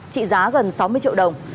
trị giá gần sáu mươi triệu đồng